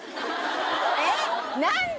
えっ何で？